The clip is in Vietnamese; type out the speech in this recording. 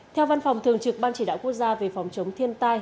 theo văn phòng thường trực ban chỉ đạo quốc gia về phòng chống thiên tai